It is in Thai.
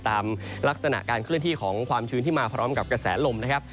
ตามลักษณะการเคลื่อนที่ของความชื้นที่มาพร้อมกับกระแสลมนะครับ